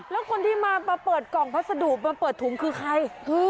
แล้วคนที่มาเปิดกล่องพัสดุมาเปิดถุงคือใคร